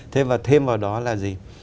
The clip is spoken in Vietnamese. thêm vào đó là gì